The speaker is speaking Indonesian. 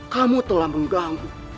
kamu telah mengganggu